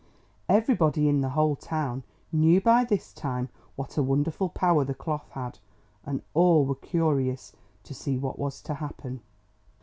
Everybody in the whole town knew by this time what a wonderful power the cloth had, and all were curious to see what was to happen.